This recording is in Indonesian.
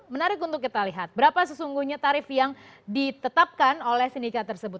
menarik untuk kita lihat berapa sesungguhnya tarif yang ditetapkan oleh sindikat tersebut